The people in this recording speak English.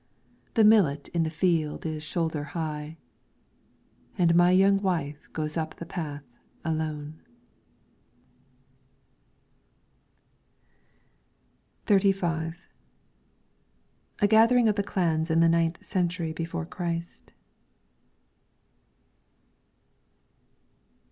The millet in the field is shoulder high, And my young wife goes up the path alone. 38 LYRICS FROM THE CHINESE XXXV A gathering of the clans in the ninth century before Christ.